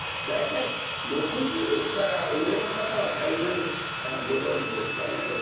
大体６０から上の方は大概ご存じですがね